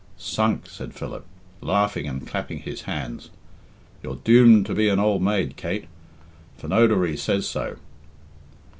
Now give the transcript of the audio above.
"Sunk!" said Philip, laughing and clapping his hands. "You're doomed to be an old maid, Kate. Phonodoree says so."